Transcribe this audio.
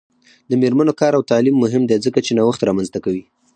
د میرمنو کار او تعلیم مهم دی ځکه چې نوښت رامنځته کوي.